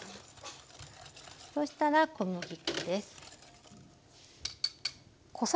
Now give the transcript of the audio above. そしたら小麦粉です。